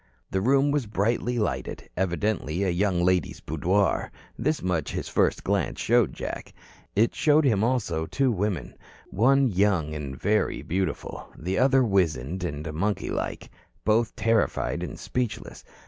The room was brightly lighted, evidently a young lady's boudoir. This much his first glance showed Jack. It showed him also two women one young and very beautiful, the other wizened and monkey like, both terrified and speechless.